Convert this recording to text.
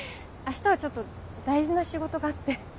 明日はちょっと大事な仕事があって。